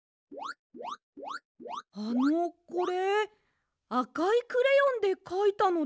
あのこれあかいクレヨンでかいたのでは？